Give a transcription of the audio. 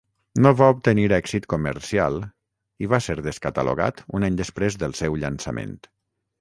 No va obtenir èxit comercial i va ser descatalogat un any després del seu llançament.